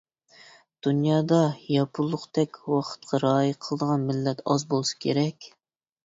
دۇنيادا ياپونلۇقتەك ۋاقىتقا رىئايە قىلىدىغان مىللەت ئاز بولسا كېرەك.